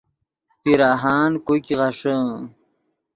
پیراہان کوګ غیݰے